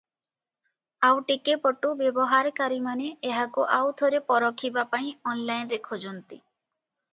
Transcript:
ଆଉ ଟିକେ ପଟୁ ବ୍ୟବହାରକାରୀମାନେ ଏହାକୁ ଆଉଥରେ ପରଖିବା ପାଇଁ ଅନଲାଇନରେ ଖୋଜନ୍ତି ।